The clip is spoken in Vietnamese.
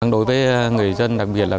đối với người dân đặc biệt là